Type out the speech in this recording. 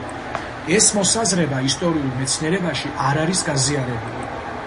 ეს მოსაზრება ისტორიულ მეცნიერებაში არ არის გაზიარებული.